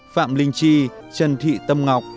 phạm linh chi trần thị tâm ngọc